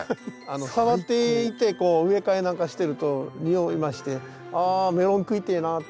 触っていてこう植え替えなんかしてると匂いまして「あメロン食いてえな」って。